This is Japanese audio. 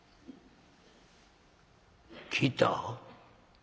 「来た？